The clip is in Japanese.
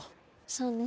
そうね。